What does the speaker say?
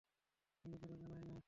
বন্ধুদেরও জানাই না।